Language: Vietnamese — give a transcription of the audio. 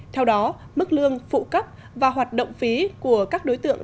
theo đó mức lương phụ cấp và hoạt động phí của các đối tượng